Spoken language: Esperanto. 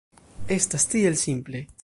Estas tiel simple!